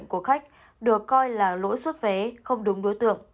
các quy định phòng chống dịch của khách được coi là lỗi suốt vé không đúng đối tượng